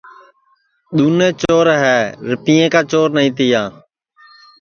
دِؔنیں چور ہے رِپئیں کا چور نائی تِیا